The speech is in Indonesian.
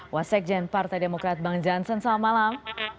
wasik jen partai demokrat bang johnson selamat malam